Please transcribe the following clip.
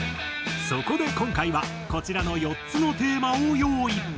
そこで今回はこちらの４つのテーマを用意。